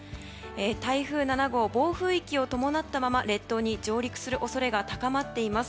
台風７号、暴風域を伴ったまま列島に上陸する恐れが高まっています。